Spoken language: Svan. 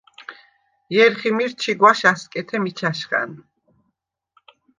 ჲერხი მირ ჩიგუ̂აშ ა̈სკეთე მიჩა̈შხა̈ნ!